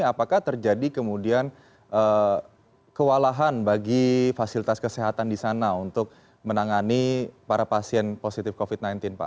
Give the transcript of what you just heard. apakah terjadi kemudian kewalahan bagi fasilitas kesehatan di sana untuk menangani para pasien positif covid sembilan belas pak